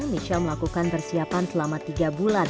michelle melakukan persiapan selama tiga bulan